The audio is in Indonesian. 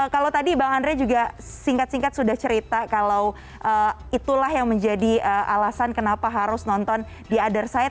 kalau tadi bang andre juga singkat singkat sudah cerita kalau itulah yang menjadi alasan kenapa harus nonton di othersite